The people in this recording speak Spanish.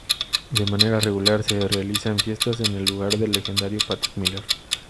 De manera regular se realizan fiestas en el lugar del legendario Patrick Miller.